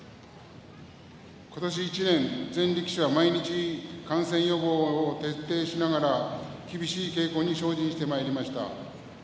今年１年、全力士は毎日、感染予防を徹底しながら厳しい稽古に精進してまいりました。